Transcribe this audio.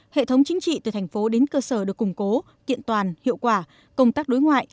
hệ thống chính trị từ thành phố đến cơ sở được củng cố kiện toàn hiệu quả công tác đối ngoại